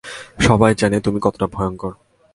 সবাই জানে তুমি কতটা ভয়ংকর।